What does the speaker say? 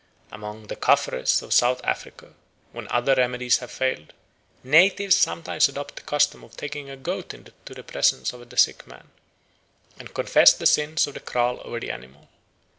Amongst the Caffres of South Africa, when other remedies have failed, "natives sometimes adopt the custom of taking a goat into the presence of a sick man, and confess the sins of the kraal over the animal.